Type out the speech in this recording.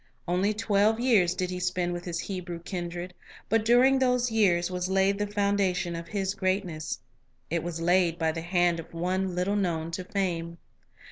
Only twelve years did he spend with his Hebrew kindred; but during these years was laid the foundation of his greatness; it was laid by the hand of one little known to fame.